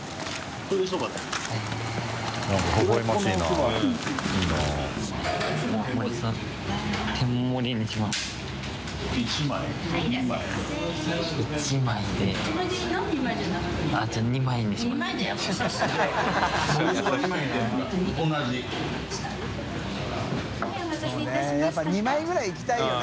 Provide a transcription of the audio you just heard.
修Δやっぱ２枚ぐらいいきたいよね。